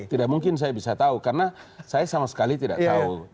tidak mungkin saya bisa tahu karena saya sama sekali tidak tahu